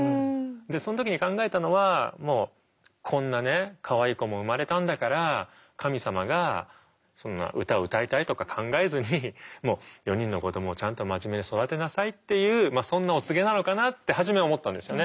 でその時に考えたのはもうこんなねかわいい子も生まれたんだから神様がそんな歌を歌いたいとか考えずにもう４人の子どもをちゃんと真面目に育てなさいっていうそんなお告げなのかなって初め思ったんですよね。